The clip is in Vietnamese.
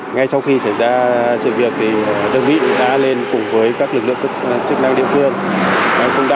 ngay sau khi xảy ra sự việc thì đơn vị đã lên cùng với các lực lượng chức năng địa phương